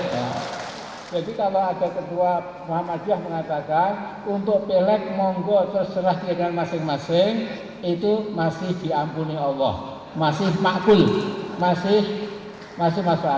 jadi kalau ada ketua muhammadiyah mengatakan untuk field press terserah masing masing itu masih diampuni allah masih makbul masih masuk akal